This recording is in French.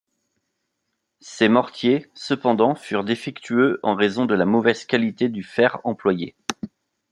Ces mortiers, cependant, furent défectueux en raison de la mauvaise qualité du fer employé.